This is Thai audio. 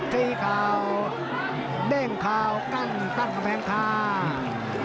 ตีขาวเด้งขาวกั้นตั้งแม่งทาง